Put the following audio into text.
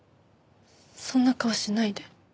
そんな顔しないで。